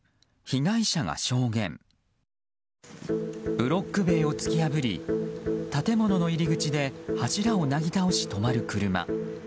ブロック塀を突き破り建物の入り口で柱をなぎ倒し、止まる車。